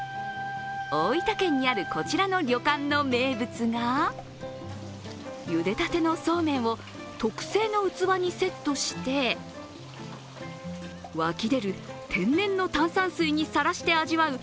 大分県にあるこちらの旅館の名物がゆでたてのそうめんを特製の器にセットして、湧き出る天然の炭酸水にさらして味わう